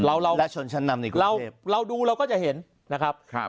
เราเราชนชั้นนำดีกว่าเราเราดูเราก็จะเห็นนะครับครับ